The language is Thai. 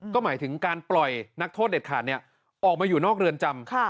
ก็หมายถึงการปล่อยนักโทษเด็ดขาดออกมาอยู่นอกเรือนจำ